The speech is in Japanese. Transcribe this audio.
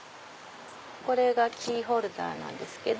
これがキーホルダーなんですけど。